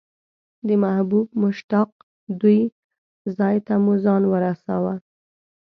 د محبوب مشتاق دوی ځای ته مو ځان ورساوه.